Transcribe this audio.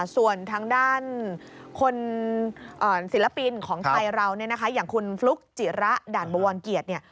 ส่วนทางด้านศิลปินของไทยเราอย่างคุณฟลุ๊กจิระด่านบวนเกียรติ